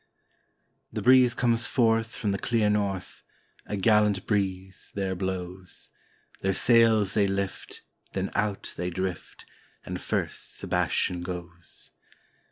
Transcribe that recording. The breeze comes forth from the clear north, a gallant breeze there blows; Their sails they lift, then out they drift, and first Sebas tian goes.